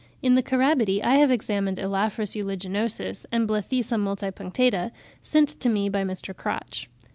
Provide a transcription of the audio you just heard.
In the Carabidae I have examined Elaphrus uliginosus and Blethisa multipunctata, sent to me by Mr. Crotch.